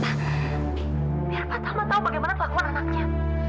biar pak tama tahu bagaimana kelakuan anaknya